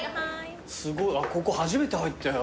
すごいここ初めて入ったよ。